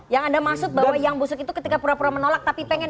yang anda maksud bahwa yang busuk itu ketika pura pura menolak tapi pengen